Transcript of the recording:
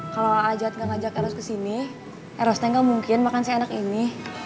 kalau ah jat gak ngajak eros kesini erosnya gak mungkin makan seenak ini